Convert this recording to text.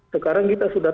sekarang kita sudah